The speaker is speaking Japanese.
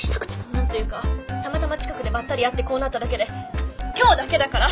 何というかたまたま近くでばったり会ってこうなっただけで今日だけだから！